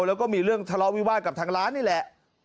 แล้วก็มีเรื่องทะเลาะวิวาสกับทางร้านนี่แหละ